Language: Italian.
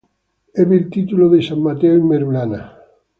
Ebbe il titolo di San Matteo in Merulana.